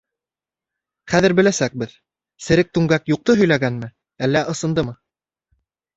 — Хәҙер беләсәкбеҙ, Серек Түңгәк юҡты һөйләгәнме, әллә ысындымы.